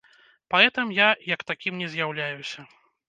Паэтам я як такім не з'яўляюся.